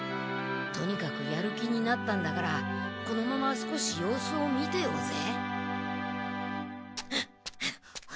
とにかくやる気になったんだからこのまま少し様子を見てようぜ。